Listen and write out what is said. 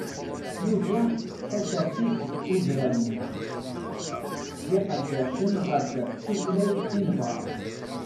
Nugi tasertit deg ugraw-nneɣ, d iqeddacen ɣef tutlayt i nebɣa.